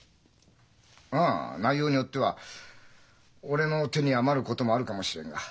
あ内容によっては俺の手に余ることもあるかもしれんが。